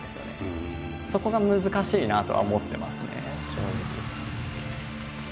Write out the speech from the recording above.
そこが難しいなとは思ってますね正直。